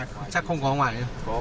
cũng chứ không phải là truyền vụ thail